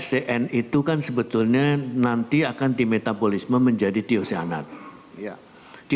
jadi cn itu kan sebetulnya nanti akan dimetabolisme menjadi d oceanate